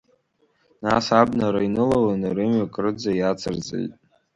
Нас абанара инылаланы рымҩа кырӡа иацырҵеит.